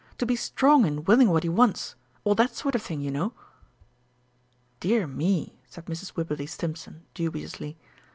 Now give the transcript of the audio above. To be strong in willing what he wants all that sort of thing, you know." "Dear me!" said Mrs. Wibberley Stimpson dubiously.